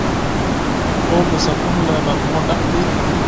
خوب د سکون له نغمو ډک دی